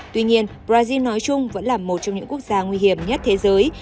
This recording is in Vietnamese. tuy nhiên brazil nói chung vẫn là một trong những quốc gia nguy hiểm nhất thế giới